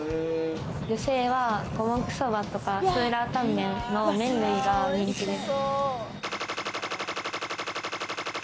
女性は五目ソバとかスーラータンメンの麺類が人気です。